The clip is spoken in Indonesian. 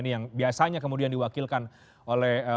yang biasanya kemudian diwakilkan oleh